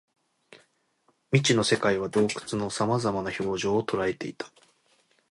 未知の世界は空洞の様々な表情を捉えていた